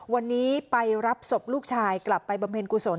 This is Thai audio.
วันนี้ไปรับศพลูกชายกลับไปบำเพ็ญกุศล